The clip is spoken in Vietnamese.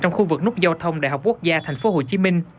trong khu vực nút giao thông đại học quốc gia tp hcm